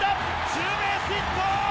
ツーベースヒット！